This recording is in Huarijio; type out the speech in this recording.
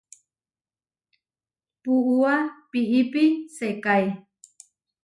Puúa piípi sekáe.